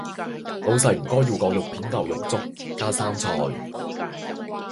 老世唔该要个肉片牛肉粥，加生菜